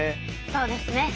そうですね。